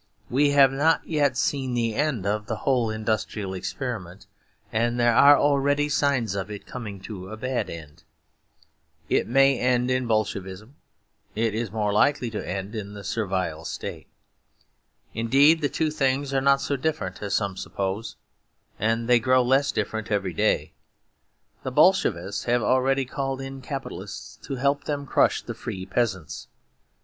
We have not yet seen the end of the whole industrial experiment; and there are already signs of it coming to a bad end. It may end in Bolshevism. It is more likely to end in the Servile State. Indeed, the two things are not so different as some suppose, and they grow less different every day. The Bolshevists have already called in Capitalists to help them to crush the free peasants.